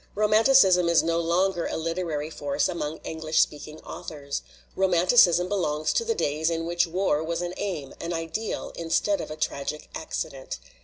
Romanticism is no longer a literary force among English speaking authors. Romanticism belongs to the days in which war was an aim, an ideal, instead of a tragic accident.